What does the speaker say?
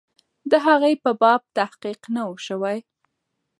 د هغې په باب تحقیق نه وو سوی.